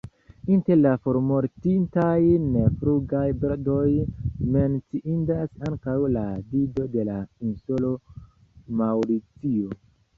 Inter la formortintaj neflugaj birdoj menciindas ankaŭ la Dido de la insulo Maŭricio.